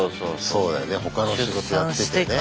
そうだよね他の仕事やってて。